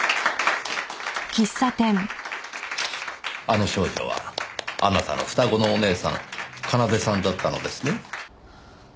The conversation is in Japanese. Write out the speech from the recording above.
あの少女はあなたの双子のお姉さん奏さんだったのですね？